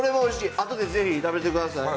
あとでぜひ食べてください。